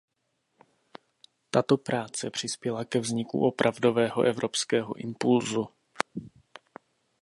Tato práce přispěla ke vzniku opravdového evropského impulsu.